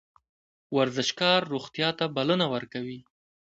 ورزشکار روغتیا ته بلنه ورکوي